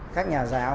các nhà giáo